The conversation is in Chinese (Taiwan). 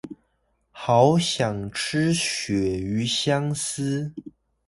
好想吃鱈魚香絲